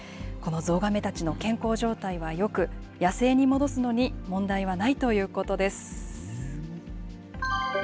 このゾウガメたちの健康状態はよく、野生に戻すのに問題はないということです。